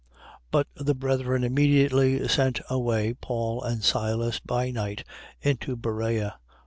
17:10. But the brethren immediately sent away Paul and Silas by night unto Berea.